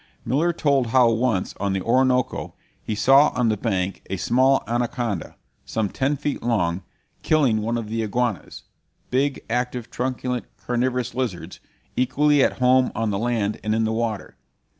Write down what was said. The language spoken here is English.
Miller told how once on the Orinoco he saw on the bank a small anaconda, some ten feet long, killing one of the iguanas, big, active, truculent, carnivorous lizards, equally at home on the land and in the water.